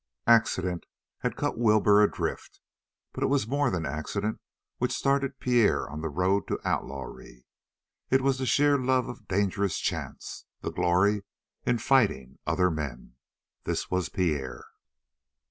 Accident had cut Wilbur adrift, but it was more than accident which started Pierre on the road to outlawry; it was the sheer love of dangerous chance, the glory in fighting other men. This was Pierre.